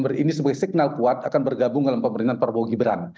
ini sebagai signal kuat akan bergabung dalam pemerintahan prabowo gibran